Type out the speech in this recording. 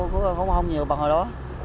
không nhiều bằng hồi đó